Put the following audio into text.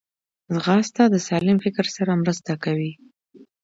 ځغاسته د سالم فکر سره مرسته کوي